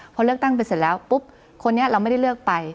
พอเลือกตั้งไปเสร็จแล้วปุ๊บคนนี้เราไม่ได้เลือกไป